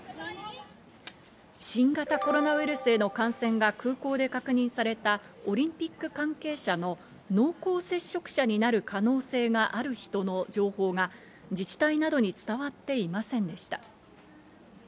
新型コロナウイルスへの感染が空港で確認されたオリンピック関係者の濃厚接触者になる可能性がある人の情報が自治体などに伝わっていませんでした。